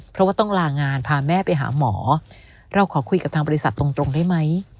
เพราะว่าต้องลางานพาแม่ไปหาหมอเราขอคุยกับทางบริษัทตรงได้ไหม